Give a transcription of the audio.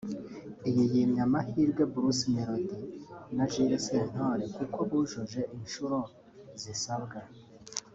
iyi yimye amahirwe Bruce Melody na Jules Sentore kuko bujuje inshuro zisabwa